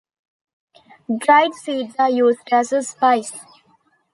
Dried seeds are used as a spice.